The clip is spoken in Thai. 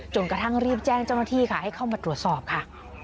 กระทั่งรีบแจ้งเจ้าหน้าที่ค่ะให้เข้ามาตรวจสอบค่ะ